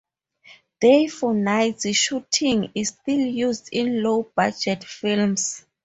Day-for-night shooting is still used in low-budget films.